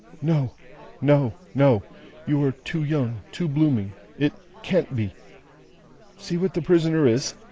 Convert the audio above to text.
"No, no, no; you are too young, too blooming. It can't be. See what the prisoner is.